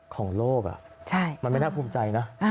ของโลกมันไม่น่าภูมิใจนะ